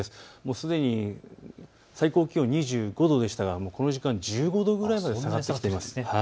すでに最高気温２５度でしたがこの時間、１５度ぐらいまで下がってきています。